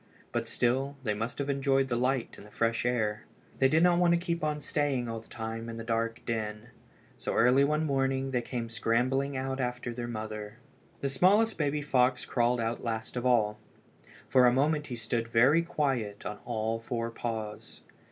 But still, they must have enjoyed the light and the fresh air. They did not want to keep on staying all the time in the dark den. So early one morning they came scrambling out after their mother. The smallest baby fox crawled out last of all. For a moment he stood very quiet on all four paws.